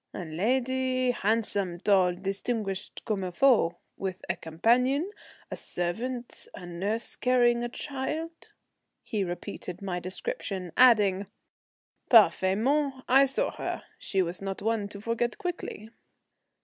"A lady, handsome, tall, distinguished, comme il faut, with a companion, a servant, a nurse carrying a child?" He repeated my description, adding, "Parfaitement, I saw her. She was not one to forget quickly."